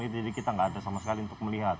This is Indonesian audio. jadi kita tidak ada sama sekali untuk melihat